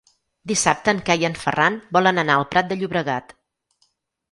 Dissabte en Cai i en Ferran volen anar al Prat de Llobregat.